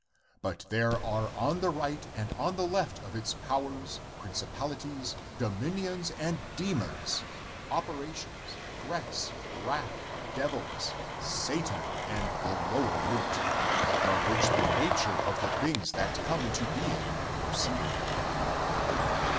But there are on the right and on the left of its powers, principalities, domin ions and demons, operations, threats, wrath, devils, Satan and the Lower Root, from which the nature of the things that come into being proceeded.